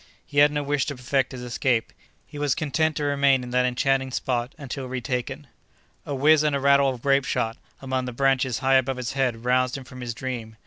He had not wish to perfect his escape—he was content to remain in that enchanting spot until retaken. A whiz and a rattle of grapeshot among the branches high above his head roused him from his dream.